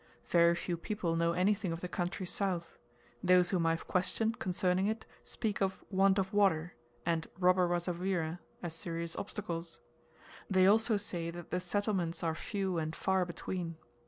Very few people know anything of the country south; those whom I have questioned concerning it speak of "want of water" and robber Wazavira, as serious obstacles; they also say that the settlements are few and far between.